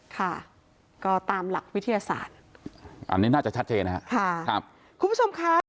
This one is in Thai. ค่ะก็ตามหลักวิทยาศาสตร์อันนี้น่าจะชัดเจนนะฮะค่ะครับคุณผู้ชมค่ะ